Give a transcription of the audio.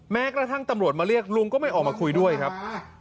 แม้กระทั่งตำรวจมาเรียกลุงก็ไม่ออกมาคุยด้วยครับ